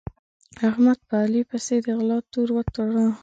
احمد په علي پسې د غلا تور وتاړه.